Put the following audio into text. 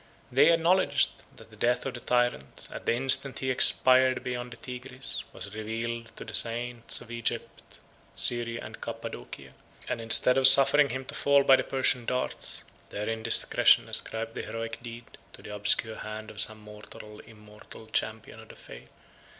They acknowledge, that the death of the tyrant, at the instant he expired beyond the Tigris, was revealed to the saints of Egypt, Syria, and Cappadocia; 131 and instead of suffering him to fall by the Persian darts, their indiscretion ascribed the heroic deed to the obscure hand of some mortal or immortal champion of the faith.